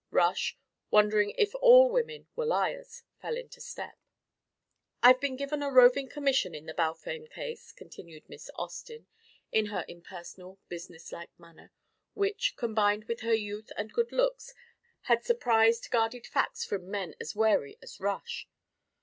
Rush, wondering if all women were liars, fell into step. "I've been given a roving commission in the Balfame case," continued Miss Austin in her impersonal businesslike manner, which, combined with her youth and good looks, had surprised guarded facts from men as wary as Rush.